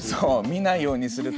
見ないようにするとか。